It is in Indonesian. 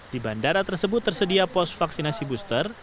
di bandara tersebut tersedia pos vaksinasi booster